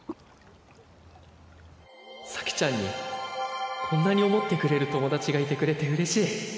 咲ちゃんにこんなに思ってくれる友達がいてくれてうれしい。